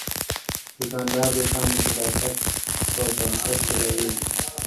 دوکاندار دوکان د صداقت په بنسټ چلوي.